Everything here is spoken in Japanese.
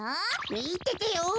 みててよ。